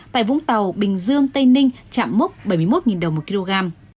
tại vũng tàu bình dương tây ninh chạm múc bảy mươi một đồng một kg